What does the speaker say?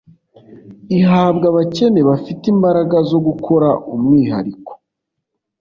ihabwa abakene bafite imbaraga zo gukora umwihariko